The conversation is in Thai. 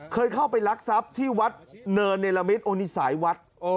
เคยเข้าไปรักทรัพย์ที่วัดเนินเนรมิตโอนิสัยวัด